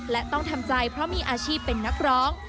และต้องทำใจเพราะมีอาชีพเป็นนักร้อง